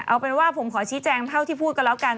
เอาเป็นว่าผมขอชี้แจงเท่าที่พูดกันแล้วกัน